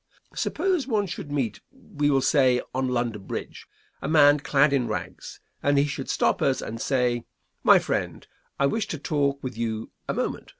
Suppose one should meet, we will say on London Bridge, a man clad in rags, and he should stop us and say, "My friend, I wish to talk with you a moment.